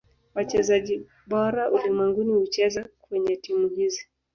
Wachezaji bora ulimwenguni hucheza kwenye timu hizi.